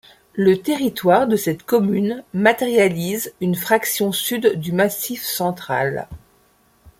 Le territoire de cette commune matérialise une fraction sud du Massif central.